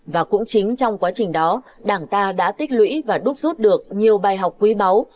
và cũng chính trong quá trình đó đảng ta đã tích lũy và đúc rút được nhiều bài học quý báu